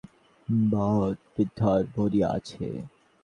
সেই সময়ে দেশের আকাশ-বাতাস বাদ-বিতণ্ডায় ভরিয়া আছে।